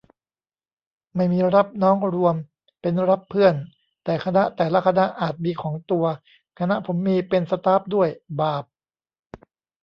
ไม่มีรับน้องรวม เป็นรับเพื่อน แต่คณะแต่ละคณะอาจมีของตัว คณะผมมี เป็นสต๊าฟด้วย บาป